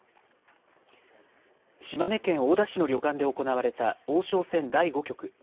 島根県大田市の旅館で行われた王将戦第５局。